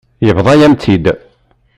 Yebḍa-yam-tt-id.